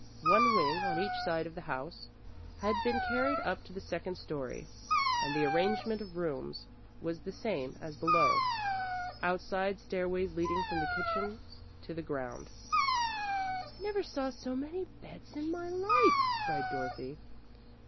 One wing on each side of the house had been carried up to the second story, and the arrangement of rooms was the same as below, outside stairways leading from the kitchens to the ground. "I never saw so many beds in my life," cried Dorothy.